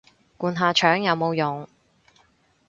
灌下腸有冇用